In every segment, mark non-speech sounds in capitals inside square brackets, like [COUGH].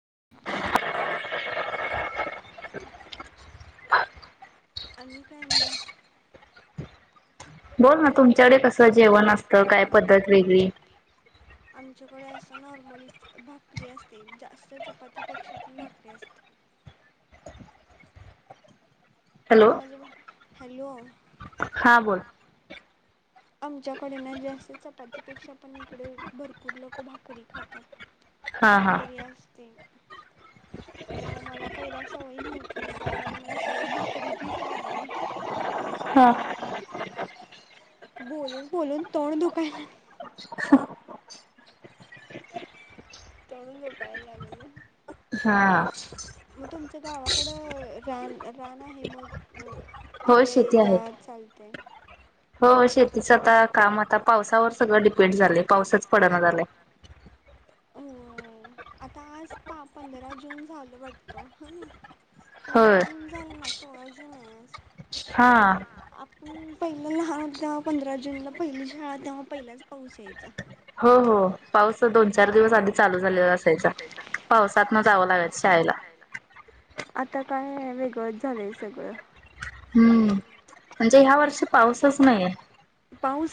[INAUDIBLE] आणि काय मग बोल ना तुम त्याच्याडे कसं जेवण असतं काय पद्धत वेगळी? थोड्या अस नॉर्मलीच भाकरी असते जास्त चपातीपेक्षा पण भाकरी असते. आम्हाला जेव हॅलो आमच्याकडे ना जास्त चपातीपेक्षा पण इकडे भरपूर लोकं भाकरी खातात. भाकरी असते. मग मला पहिलाच सवय नव्हती इथं आल्यावर मला सवय भा करीचीच लागली. हां. बोलून बोलून तोंड दुखायला तोंड दुखाय लागल हां मग तुमच गावाकडं रान रान आहे मग? तिकडे ये जा चालते हो शेतीचं आता काम आता पावसावर सगळं डिपेंड झालंय पावसच पडण झालंय होय आता आज पा पंधरा जून झालं वाट त होनी? पंधरा जून झाले ना सॉर्जिनस [UNINTELLIGIBLE] तर काही पहिलं लहान होते तेव्हा पंधरा जूनला पहिली शाळा तेव्हा पहिलाच पाऊस यायचा. पाऊस दोन चार दिवस आधी चालू झालेला असायचा, पावसातन जावं लागायचं शाळेला. आता काय, वेगळंच झालंय सगळं. हं म्हणजे ह्या वर्षी पाऊसच नाहीये.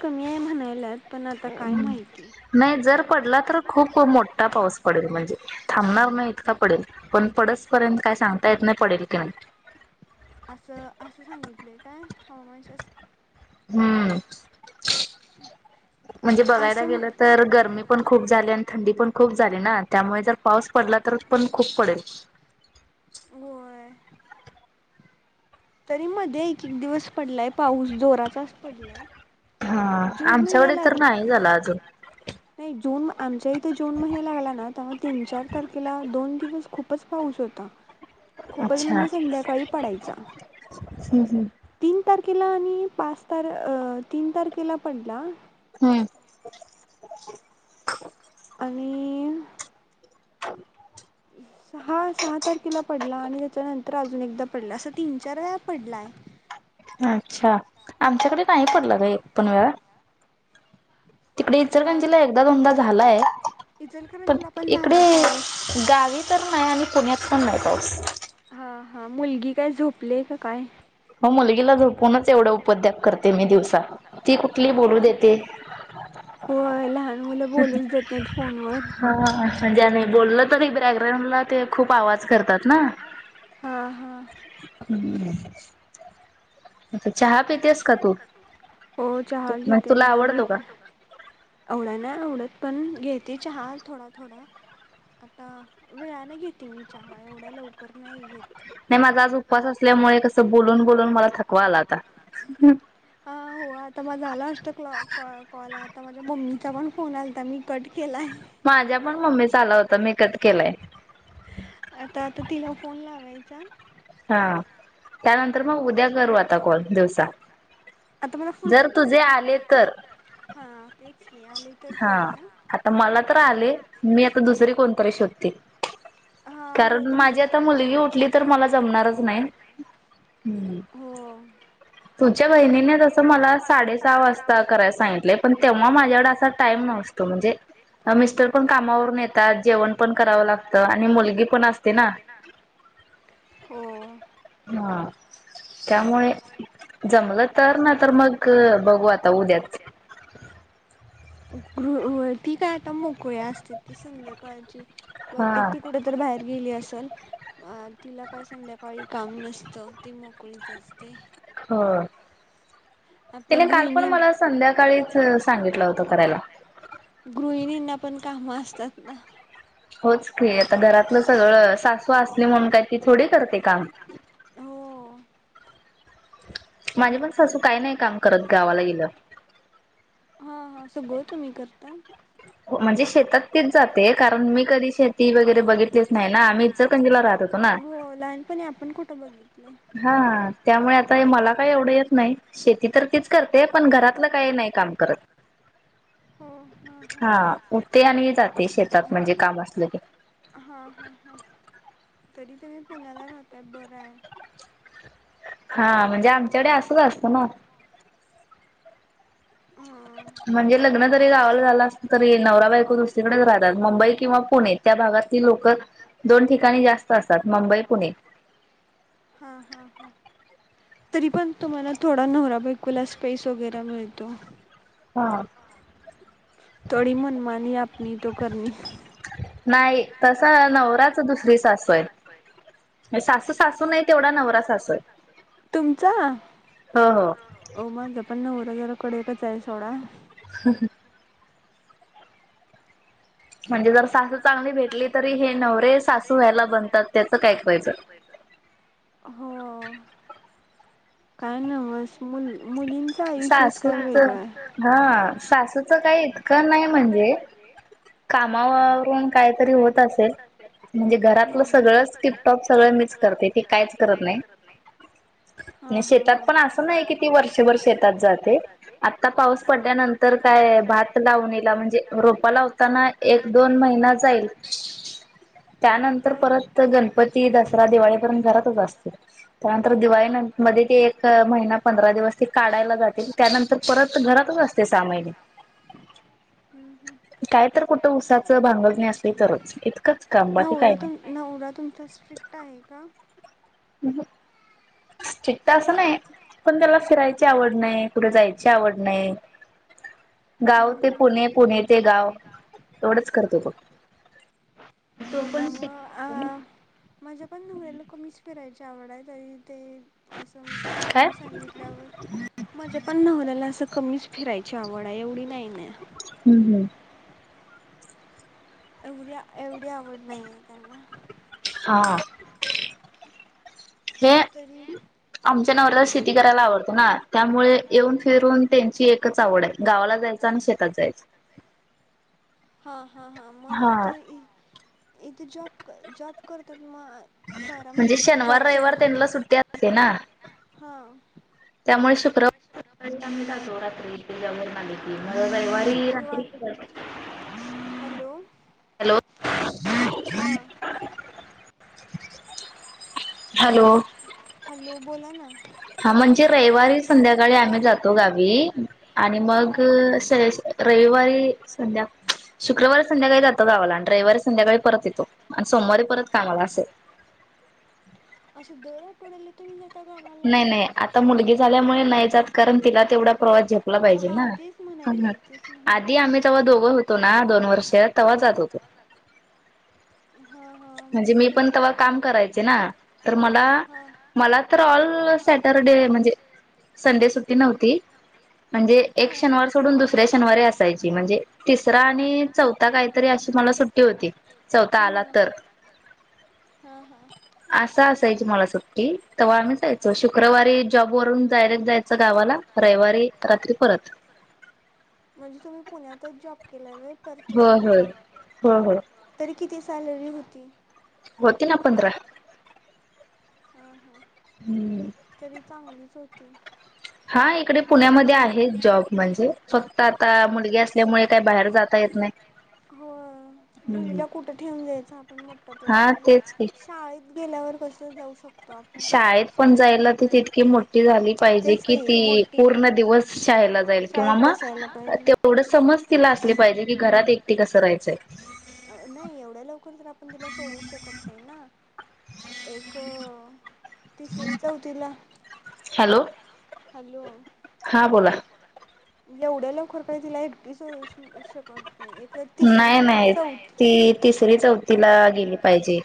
कमी आहे म्हणाल्यात पण आता काय माहिती. नाही जर पडला तर खूप मोठ्ठा पाऊस पडेल म्हणजे. थांबणार नाही इतका पडेल पण, पडसपर्यंत काय सांगता येत नाही पडेल की नाही? असं-असं सांगितलंय काय? हवामान श. हम्म [UNINTELLIGIBLE] म्हणजे बघायला गेलं तर गरमी पण खूप झाली, आणि थंडी पण खूप झाली ना, त्यामुळे जर पाऊस पडला तर पण खूप पडेल. तरी मध्ये एक-एक दिवस पडलाय, पाऊस जोराचाच पडलाय. हां, आमच्याकडे तर नाही झाला अजून. आमच्या इथं जून महिना लागला ना, तेव्हा तीन-चार तारखेला दोन दिवस खूपच पाऊस होता. खूपच म्हणजे संध्याकाळी पडायचा. तीन तार... केला आणि पाच तार, तीन तार.. केला पडला. हं आणि सहा, सहा तारखेला पडला आणि त्याच्यानंतर अजून एकदा पडला, असा तीन-चार वेळा पडलाय. अच्छा, आमच्याकडे नाही पडला गं, एकपण वेळा. तिकडे इचलकरंजीला एकदा-दोनदा झालाय पण इकडे गावी तर पण नाही आणि पुण्यात पण नाही पाऊस हां हां मुलगी काय झोपलेय का काय? हो मुलगीला झोपवूनच एवढं उपद्व्याप करते मी दिवसात, ती कुठली बोलू देते. होय लहान हां म्हणजे, आम्ही बोलल तरी बर [UNINTELLIGIBLE] करतात ना? [INAUDIBLE] चहा पितेस का तू?.. हो चहा घेते ना मी.... तुला आवडतो का?... ऐवढा नाय आवडत पण घेते चहा, थोडा-थोडा आता वेळाने घेते मी चहा एवढ्या लवकर नाही घेत. नाही माझा आज उपवास असल्यामुळे कसं बोलून-बोलून मला थकवा आला हा हो आता माझं हा लास्ट कॉल आहे आता माझ्या मम्मी त्याऊन फोन आलाता मी. माझ्या पण मम्मीचा आला होता. मी कट केलाय. जामप हा, त्या नंतर तर मग उद्या करू आता कोण दिवसा जर तुझे आले तर. हा आता मला तर आले मी आता दुसरी कोणतरी शोधते कारण माझी आता मुलगी उठली तर मला जमणारच नाही. हम्म तुझ्या बहिणीने तसं मला साडे सहा वाजता करायला सांगितलंय पण तेव्हा माझ्याकडे असा. टाईम नसतो, म्हणजे मिस्टर पण कामावरून येतात जेवण पण करावं लागत आणि मुलगी पण असते ना, हा. त्यामुळे, जमलं तर ना तर मग बघू आता उद्याच. ठीक आहे मोकळी असते ती संध्याकाळची. बहुतेक, ती कुठ तरी बाहेर गेली असल! अ तिला. काय संध्याकाळी काम नसतं. ती मोकळीच असते. हो [UNINTELLIGIBLE] त्याने काल पण मला संध्याकाळीच सांगितलं होत मला करायला. कामं असत्यात ना. होच हे, आता घरातलं सगळं सासु आस आपलं म्हणून ती थोडी करते काम. हो माझी पण सासू काय नाही काम करत गावाला गेल्यावर हा, हा सगळ तुम्ही करता? म्हणजे शेतात तिच जाते, कारण मी कधी शेती वगैरे बघितलीच नाही ना आम्ही इचकंरजीला राहत होतो ना. हा त्यामुळे आ. मला काय एवढं येत नाही, शेती तर तीच करते पण घरातलं काही नाही काम करत, हा उठते आणि जाते शेतात म्हणजे काम असल की. तरी तुम्ही पुण्याला राहताय बरं हाय हा म्हणजे आमच्याकडे असच असत ना. म्हणजे लग्न जरी गावाला झालं अस तरी नवरा बायको तिकडेच राहतात मुंबई किंवा पुणे त्या भागातील लोक दोन ठिकाणी जास्त असतात मुंबई -पुणे. तरी पण तुम्हाला थोडा नवरा बायकोला स्पेस वगैरे मिळतो. हा थोडी मनमानी आपणी तो करणी. नाही तस नवराच दुसरी सास. चल सासू-सासू नाही तेवढा नवरा सासू [UNINTELLIGIBLE] तुमचा, हो माझा पण नवरा जरा कडकचय सोडा. हम ह. म्हणजे जर सासू चांगली भेटली. तरी हे नवरे सासू व्हायला बनतात. त्याच काय ऐकवायचं. काय ना नवंच. सासूच हा सासूचं काही इतकं नाही म्हणजे. कामाम आवरून कायतरी होत असेल म्हणजे घरातलं सगळच टिपटाॅप सगळं मीच करते ती काहीच करत नाही आणि शेतात पण अस नाय की कती वर्षभर शेतात जाते आता पाऊस पडल्यानंतर काय भात लावनीला म्हणजे रोप लावताना एक दोन महिना जाईल त्यानंतर परत गणपती दसरा दिवाळीपर्यंत घरातच असते त्यानंतर दिवाळीन मध्ये ते एक महिना पंधरा दिवस ते काढायला जातील त्यानंतर परत घरातच असते सहा महिने काय तर कुठं उसाचं भांगले असत न उरा तु न उरा तुमचा स्ट्रिक्ट आहे का हम् स्ट्रिक्ट असं नाही पण त्याला फिरायची आवड नाही कुडं जायची आवड नाही गाव ते पुणे पुणे ते गाव एवढंच करतो तो तू पण शिक चावडा री ते अससं मि सांगितल्यावर माझ्या पण नवल्याला अस कमीच फिरायची आवड आहे एवढी नाही ना हम्म हम्म एवढी एवढी आवड नाहीये त्यांना हा हे आमच्या नवर्‍याला शेती करायची आवडतंना त्यामुळे येऊन फिरून त्यांची एकच आवड आहे गावाला जायचं आणि शेतात जायचं हा हा हा मग आता इ इथे जॉब क जॉब करतात किंवा बारा महिने जर जॉब सा त्यांन्ला सुट्टी असते ना हां त्यामुळे शुक्रवारी आम्ही जातो रात [UNINTELLIGIBLE] राहणारी राणी जात हॅलो हा हॅलो बोला ना हा म्हणजे रविवारी संध्याकाळी आम्ही जातो गावी आणि मग रविवारी संध्या शुक्रवारी संध्याकाळी जातो गावाला आणि रविवारी संध्याकाळी परत येतो आणि सोमवारी परत कामाला असे दोरा टोड्याला तुम् नाही नाही आता मुलगी झाल्यामुळे नाही जात कारण तिला तेवढा प्रवास झेपला पाहिजे ना आधी आम्ही जेव्हा दोघं होतो ना दोन वर्ष तेव्हा जात होतो म्हणजे मी पण तेव्हा काम करायचे ना तर मला मला तर ऑल सॅटरडे म्हणजे संडे सुट्टी नव्हती. म्हणजे एक शनिवार सोडून दुसऱ्या शनिवारी असायची. म्हणजे तिसरा आणि चौथा काहीतरी अशी मला सुट्टी होती चौथा आला तर असं अस मला सुट्टी तेव्हा आम्ही जायचो. शुक्रवारी जॉब वरून डायरेक्ट जायचं गावाला रविवारी रात्री परत. हिलावे हं-हं-हं-हं किती सॅलरी होती? होताना पंधरा. हा हा. तरी चांगलीच होती. हा इकडे पुण्यामध्ये आहे जॉब म्हणजे फक्त आता मुलगी असल्यामुळे काही बाहेर जाता येत नाही. हम् हा तेच कि. ते जाऊ शकतो तो आपण शायद ला त तितकी मोठी झाली पाहिजे कि ती, पूर्ण दिवस शाळेला जाईल किंवा म तेवढं समज तिला असली पाहिजे की घरात एकटी कसं राहायचंय? पण तिला सोडू शकत नाही ना? एक तिसरी [UNINTELLIGIBLE] हॅलो! हॅलो हा बोला. एवढ्या लवकर काय तिला एकटी सू सोडू शक नाही नाही ती तिसरी चौथीला गेली पाहिजे.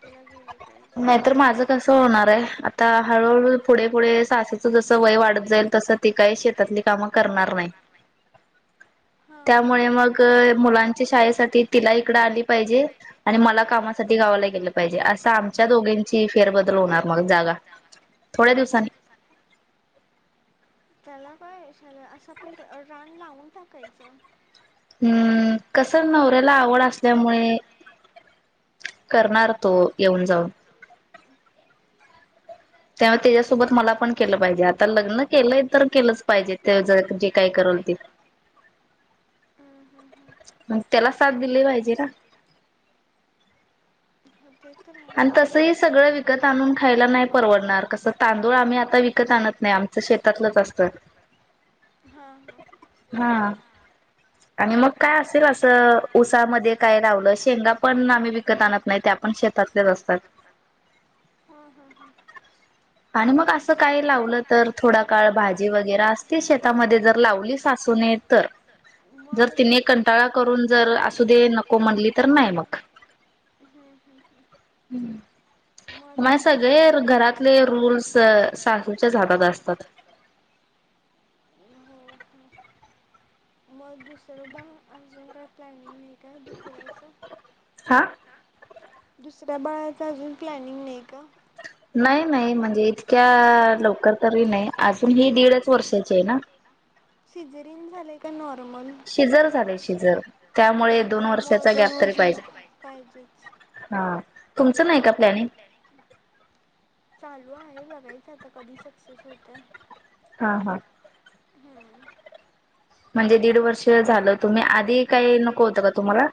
म गे. मग तर माझ कसं होणार आहे? आता हळूहळू पुढे पुुढे सासूचं जसं वय वाढत जाईल तस ती काही शेतातली कामं करणार नाही, त्यामुळे मग मुलांच्या शाळेसाठी तिला इकडं आली पाहिजे आणि मला कामासाठी गावाला गेलं पाहिजे असं आम- त्या दोघिनची फेरबदल होणार मग जागा, थोड्या दिवसांनी. त्याला काय यशलं असं पण रान लावून टाकायचं. करणार तो येऊन जाऊन. त्यावा त्याच्यासोबत मला पण केलं पाहिजे. आता लग्न केलंय तर केलंच पाहिजे ते ज जे काय करल ते. मग त्याला साथ दिली पाहिजे ना? ते तर आहेच सोडा, तसही सगळं विकत आणून खा परवडणार कसं? तांदूळ आम्ही आता विकत आणत नाही आ शेतातलंच असतं. हा. आणि मग काय? असेल अस उसामध्ये काय लावलं? शेंगा पण आम्ही विकत आणत नाही, त्या पण श असतात. आणि मग असं काही लावलं, तर थोडा काळ भाजी वगैरे असते शेतामध्ये, जर लावली सासून ने तर. जर तिने कंटाळा करून, जर 'असू दे, नको 'म्हणली तर नाही मग. हम्म. माझे सगळे घरातले रूल्स सासूचे हातात असतात. हो! मग दुसर बाळ अजून काय प्लॅनिंग काय दुसरायच? हा दुसऱ्या बाळाचा अजून. प्लॅनिंग नाही का? नाही नाही, म्हणजे इतक्या लवकर तरी नाही अजून ही दीडच वर्षाची आहे ना. काय नाहीं होत. शिजर-झाले-शिजर त्यामुळे दोन वर्षाचा गॅप तरी पाहिजे हा. तुमचं नाही का प्लनिंग? चालू आहे बघायच आता कधी सक्सेस होतय. हा हा. म्हणजे दीड वर्ष झालं. तुम्ही आधी काही नको होतं का तुम्हाला?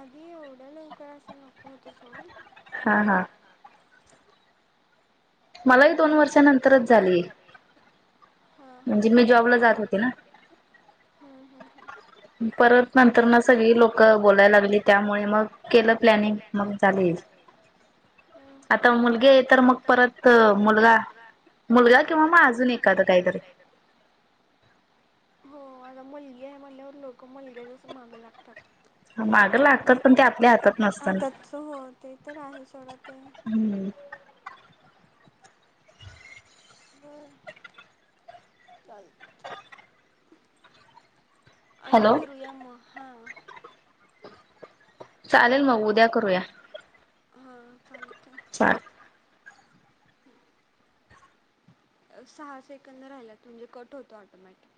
आधी एवढं लवकर असं नको होत. सोड. हा ह. मलाही दोन वर्षां नंतरच झालय. हा. हा. म्हणजे मी जॉबला जात होते ना. परत नंतर ना सगळी लोक बोलायला लागली. त्यामुळे मग केलं प्लॅनिंग मग झाले. आता मुलगी हाय तर मग. परत मुलगा-मुलगा किंवा मग अजून एकाद काहीतरी. मग मुलगी आहे म्हल्यावर. लोकं मुलग्याच्याच माग लागतात. माग लागतात पण ते आपल्या हातात नसतना. हम् चालत. आणि करुया मग हा. चालेल मग उद्या करूया. हा. चालतंय. अ सहा सेकंद राहिल्यात, म्हणजे कट होतो ऑटोमॅटिक.